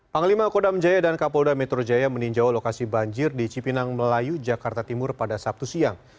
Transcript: panglima kodam jaya dan kapolda metro jaya meninjau lokasi banjir di cipinang melayu jakarta timur pada sabtu siang